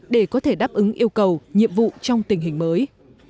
để có thể đáp ứng yêu cầu nhiệm vụ trong tình hình mới